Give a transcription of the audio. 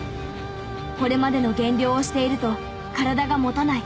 これまでの減量をしていると体が持たない。